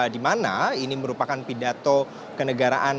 di mana ini merupakan pidato kenegaraan